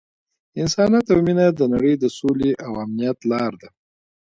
انسانیت او مینه د نړۍ د سولې او امنیت لاره ده.